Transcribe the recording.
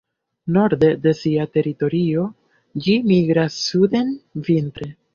Norde de sia teritorio ĝi migras suden vintre.